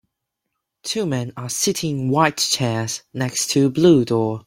Two men are sitting in white chairs next to a blue door.